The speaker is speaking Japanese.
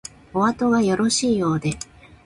おあとがよろしいようで